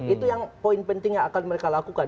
itu yang poin penting yang akan mereka lakukan